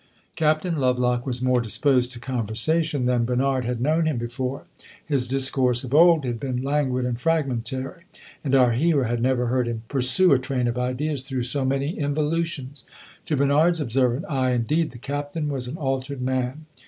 Captain Lovelock was more disposed to conversation than Bernard had known him before. His discourse of old had been languid and fragmentary, and our hero had never heard him pursue a train of ideas through so many involutions. To Bernard's observant eye, indeed, the Captain was an altered man.